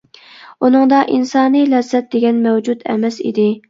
ئۇنىڭدا ئىنسانىي لەززەت دېگەن مەۋجۇت ئەمەس ئىدى.